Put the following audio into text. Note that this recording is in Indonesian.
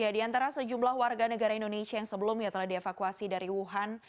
di antara sejumlah warga negara indonesia yang sebelumnya telah dievakuasi dari wuhan